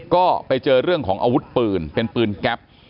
ก็ไปเจอเรื่องของอาวุธปืนเป็นปืนแก๊ป